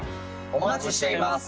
お待ちしています！